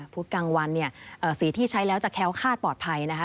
กลางวันเนี่ยสีที่ใช้แล้วจะแค้วคาดปลอดภัยนะคะ